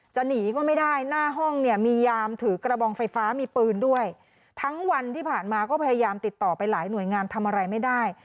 จะหนีก็ไม่ได้หน้าห้องเนี่ยมียามถือกระบองไฟฟ้ามีปืนด้วยทั้งวันที่ผ่านมาก็พยายามติดต่อไปหลายหน่วยงานทำอะไรไม่ได้